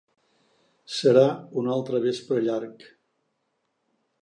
Serà un altre vespre llarg.